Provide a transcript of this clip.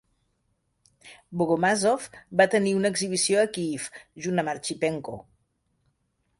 Bogomazov va tenir una exhibició a Kiev, junt amb Archipenko.